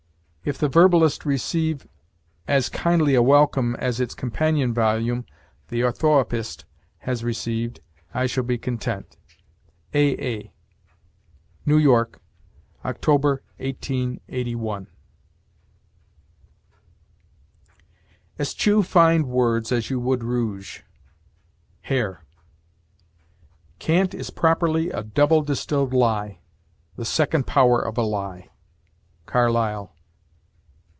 If "The Verbalist" receive as kindly a welcome as its companion volume, "The Orthoëpist," has received, I shall be content. A. A. NEW YORK, October, 1881. Eschew fine words as you would rouge. HARE. Cant is properly a double distilled lie; the second power of a lie. CARLYLE.